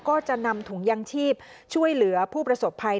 ก็จะนำถุงยังชีพช่วยเหลือผู้ประสบภัย